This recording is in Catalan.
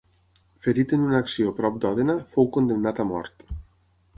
Ferit en una acció prop d’Òdena, fou condemnat a mort.